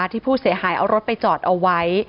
ที่ผู้เสียหายเอารถไปจอดเอาไว้